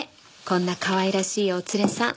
こんなかわいらしいお連れさん。